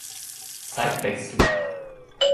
Zeitwechsel